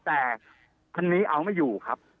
แต่คนนี้เอาไม่อยู่ครับ